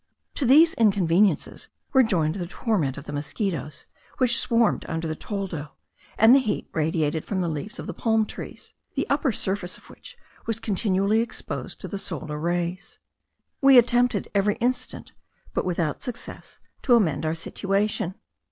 To these inconveniences were joined the torment of the mosquitos which swarmed under the toldo, and the heat radiated from the leaves of the palm trees, the upper surface of which was continually exposed to the solar rays. We attempted every instant, but always without success, to amend our situation.